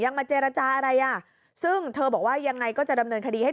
มาเจรจาอะไรอ่ะซึ่งเธอบอกว่ายังไงก็จะดำเนินคดีให้